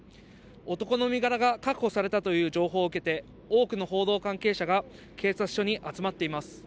男の身柄が確保されたという情報を受けて、多くの報道関係者が、警察署に集まっています。